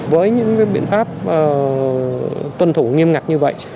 với những biện pháp tuân thủ nghiêm ngặt như vậy